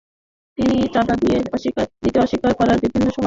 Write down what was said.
তিনি চাঁদা দিতে অস্বীকার করায় বিভিন্ন সময় তাঁরা হুমকি দিয়ে আসছেন।